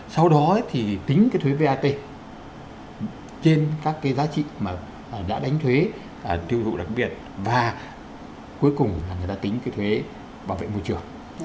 sau đó thì tính cái thuế vat trên các cái giá trị mà đã đánh thuế tiêu thụ đặc biệt và cuối cùng là người ta tính cái thuế bảo vệ môi trường